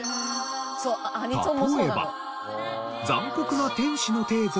例えば。